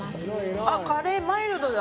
カレーマイルドだ。